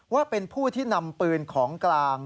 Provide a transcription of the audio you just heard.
ว่าเป็นผู้ที่นำปืนของกลาง